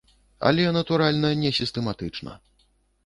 Але, натуральна, не сістэматычна.